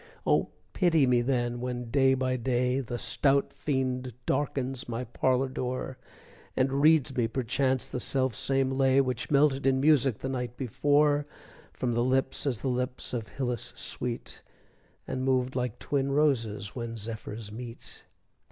Oh, pity me then, when, day by day, The stout fiend darkens my parlor door; And reads me perchance the self same lay Which melted in music, the night before, From lips as the lips of Hylas sweet, And moved like twin roses which zephyrs meet!